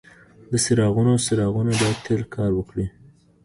د چراغونو څراغونه باید تل کار وکړي.